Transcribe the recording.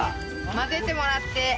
混ぜてもらって。